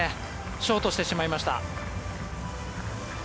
ショートしてしまいました。